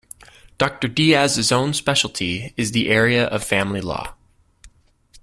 Doctor Dias' own specialty is the area of family law.